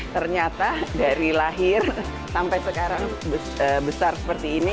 ternyata dari lahir sampai sekarang besar seperti ini